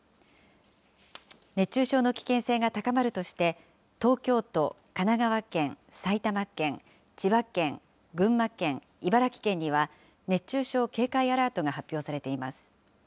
熱中症の危険性が高まるとして、東京都、神奈川県、埼玉県、千葉県、群馬県、茨城県には、熱中症警戒アラートが発表されています。